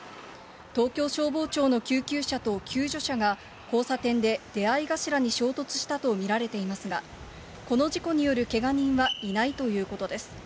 東京消防庁の救急車と救助車が交差点で出合い頭に衝突したと見られていますが、この事故によるけが人はいないということです。